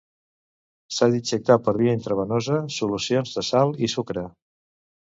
S'ha d'injectar per via intravenosa solucions de sal i sucre.